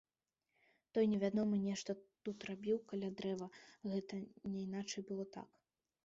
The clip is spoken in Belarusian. Той невядомы нешта тут рабіў каля дрэва, гэта няйначай было так.